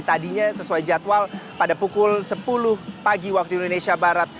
tadinya sesuai jadwal pada pukul sepuluh pagi waktu indonesia barat